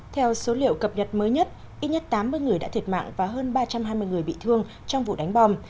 theo số liệu cập nhật mới nhất ít nhất tám mươi người đã thiệt mạng và hơn ba trăm hai mươi người bị thương trong vụ đánh bom